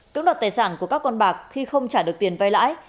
cứu đọt tài sản của các con bạc khi không trả được tiền vai lãi